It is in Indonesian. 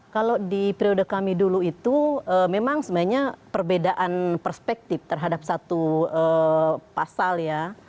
kalau di periode kami dulu itu memang sebenarnya perbedaan perspektif terhadap satu pasal ya